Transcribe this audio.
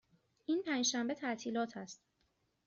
این پنج شنبه تعطیلات است.